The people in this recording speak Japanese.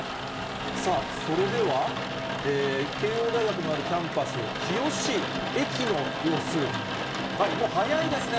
さあ、それでは、慶応大学のあるキャンパス、日吉駅の様子、もう早いですね。